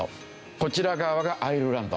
こちら側がアイルランド。